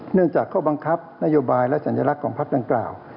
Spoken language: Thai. เนื่องจากข้อบังคับนโยบายและสัญลักษณ์ของพักดังกล่าว